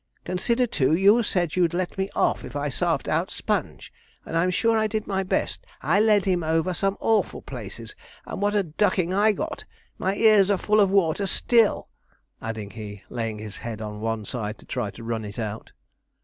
Consider, too, you said you'd let me off if I sarved out Sponge; and I'm sure I did my best. I led him over some awful places, and then what a ducking I got! My ears are full of water still,' added he, laying his head on one side to try to run it out.